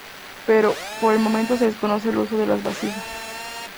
Pero, por el momento se desconoce el uso de las vasijas.